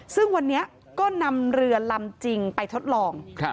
ซึ่งวันนี้ก็นำเรือลำจริงไปทดลอง